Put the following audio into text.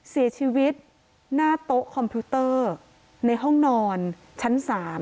เสียชีวิตหน้าโต๊ะคอมพิวเตอร์ในห้องนอนชั้น๓